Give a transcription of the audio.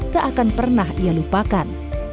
tak akan pernah ia lupakan